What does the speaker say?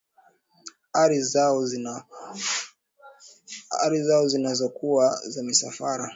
ari zao zinazokuwa za misafara